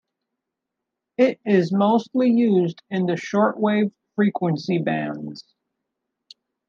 It is mostly used in the shortwave frequency bands.